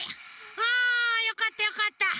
あよかったよかった。